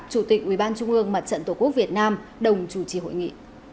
chủ tịch ủy ban trung ương mặt trận tổ quốc việt nam đồng chủ trì hội nghị